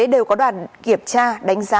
đều có đoàn kiểm tra đánh giá